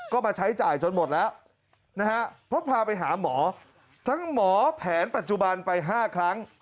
ก็มาใช้จ่ายจนหมดแล้วนะฮะเพราะพาไปหาหมอทั้งหมอแผนปัจจุบันไป๕ครั้ง